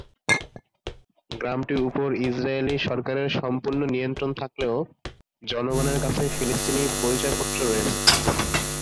গ্রামটির উপর ইসরায়েলি সরকারের সম্পূর্ণ নিয়ন্ত্রণ থাকলেও, জনগণের কাছে ফিলিস্তিনি পরিচয়পত্র রয়েছে।